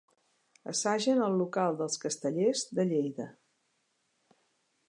Assagen al local dels Castellers de Lleida.